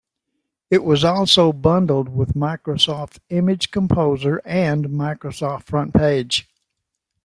It was also bundled with Microsoft Image Composer and Microsoft FrontPage.